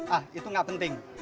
ah itu gak penting